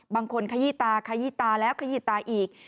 ขยี้ตาขยี้ตาแล้วขยี้ตาอีก